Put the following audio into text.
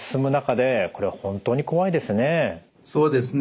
そうですね。